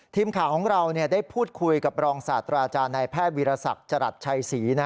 ทีมข่าวของเราได้พูดคุยกับรองศาสตราจารย์นายแพทย์วิรสักจรัสชัยศรี